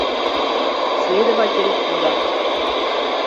Следователь тудак.